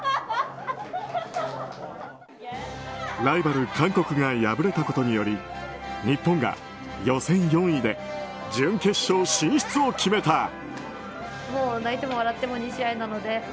ライバル韓国が敗れたことにより日本が予選４位で準決勝進出を決めた。